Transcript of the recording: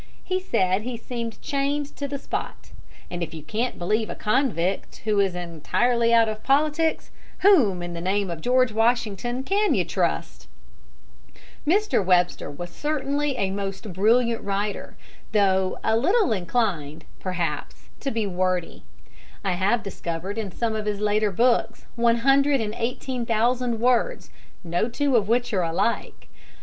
He said he seemed chained to the spot; and if you can't believe a convict who is entirely out of politics, whom, in the name of George Washington, can you trust? [Illustration: NEVER LEFT HIS ROOM TILL HE HAD DEVOURED IT.] Mr. Webster was certainly a most brilliant writer, though a little inclined, perhaps, to be wordy. I have discovered in some of his later books one hundred and eighteen thousand words no two of which are alike.